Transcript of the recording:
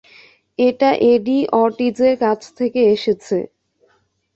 এটা এডি অর্টিজের কাছ থেকে এসেছে।